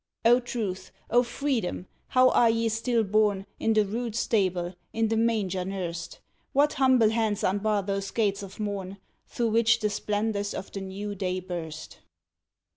O Truth! O Freedom! how are ye still born In the rude stable, in the manger nursed! What humble hands unbar those gates of morn Through which the splendors of the New Day burst!